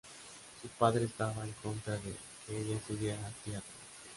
Su padre estaba en contra de que ella estudiara teatro.